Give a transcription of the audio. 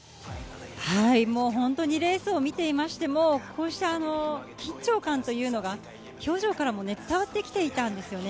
本当にレースを見ていましても、緊張感というのが表情からも伝わってきていたんです。